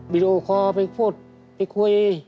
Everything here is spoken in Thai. บิโลคอล์ไปพูดไปคุย